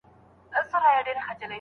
آیا بندر تر وچې پولې زیات تجارت لري؟